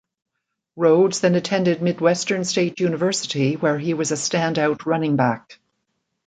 Rhodes then attended Midwestern State University where he was a standout running back.